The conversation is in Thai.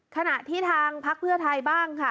ขณะที่ทางพักเพื่อไทยบ้างค่ะ